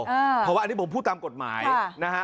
เพราะว่าอันนี้ผมพูดตามกฎหมายนะฮะ